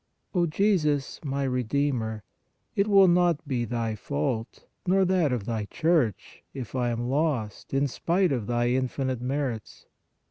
O Jesus, my Redeemer, it will not be Thy fault, nor that of Thy Church, if I am lost in spite of Thy infinite merits.